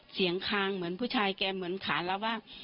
เสียงคางเหมือนผู้ชายแกเหมือนขาแล้วว่า